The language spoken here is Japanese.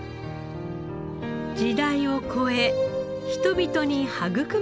時代を超え人々に育まれた朝市。